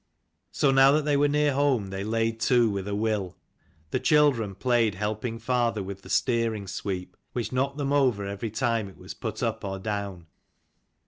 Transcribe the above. So now that they were near home they laid to with a will. The children played helping father with the steering sweep, which knocked them over every time it was put up or down.